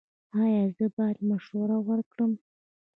ایا زه باید مشوره ورکړم؟